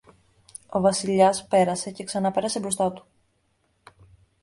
Ο Βασιλιάς πέρασε και ξαναπέρασε μπροστά του